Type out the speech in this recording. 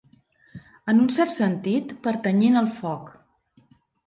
En un cert sentit, pertanyent al foc.